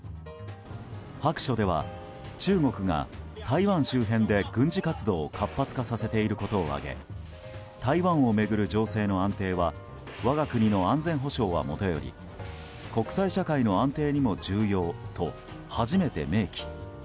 白書では、中国が台湾周辺で軍事活動を活発化させていることを挙げ台湾を巡る情勢の安定は我が国の安全保障はもとより国際社会の安定にも重要と初めて明記。